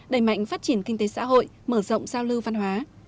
đẩy mạnh phát triển kinh tế xã hội mở rộng giao lưu văn hóa